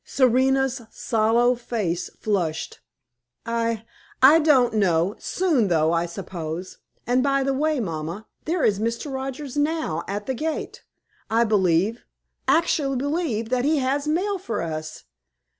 Serena's sallow face flushed. "I I don't know; soon, though, I suppose. And by the way, mamma, there is Mr. Rogers now at the gate. I believe actually believe that he has mail for us.